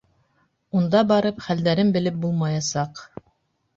Унда барып хәлдәрен белеп булмаясаҡ.